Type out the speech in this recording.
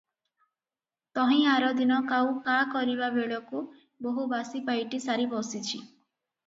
ତହିଁ ଆରଦିନ କାଉ କା କରିବାବେଳକୁ ବୋହୂ ବାସି ପାଇଟି ସାରି ବସିଛି ।